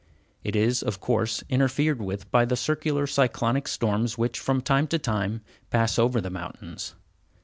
It is, of course, interfered with by the circular cyclonic storms which, from time to time, pass over the mountains.